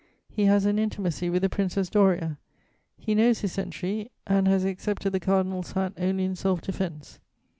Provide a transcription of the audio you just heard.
He has an intimacy with the Princess Doria; he knows his century, and has accepted the cardinal's hat only in self defense.